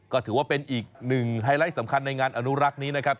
ก็ถือว่าเป็นอีกหนึ่งไฮไลท์สำคัญในงานอนุรักษ์นี้นะครับ